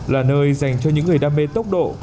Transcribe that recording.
là nơi dành cho những người đam mê tốc độ